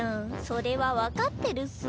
それは分かってるっす。